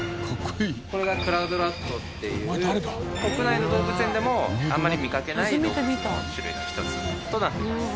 これがクラウドラットっていう国内の動物園でもあまり見かけない動物の種類の一つとなっています。